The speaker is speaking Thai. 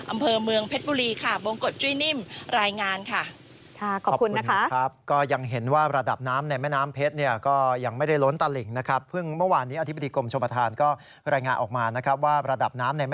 อำเภอเมืองเพชรบุรีค่ะบงกฎจุ้ยนิ่มรายงานค่ะ